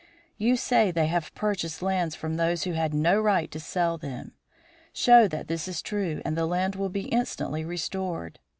You say they have purchased lands from those who had no right to sell them. Show that this is true and the land will be instantly restored.